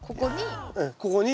ここに。